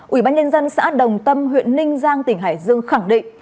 ủy ban nhân dân xã đồng tâm huyện ninh giang tỉnh hải dương khẳng định